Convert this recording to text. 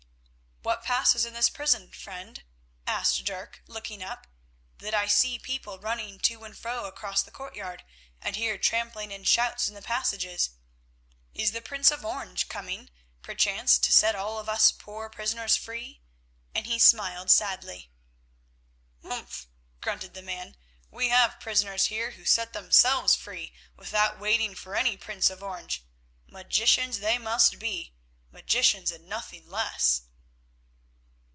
"What passes in this prison, friend?" asked Dirk looking up, "that I see people running to and fro across the courtyard, and hear trampling and shouts in the passages? Is the Prince of Orange coming, perchance, to set all of us poor prisoners free?" and he smiled sadly. "Umph!" grunted the man, "we have prisoners here who set themselves free without waiting for any Prince of Orange. Magicians they must be—magicians and nothing less."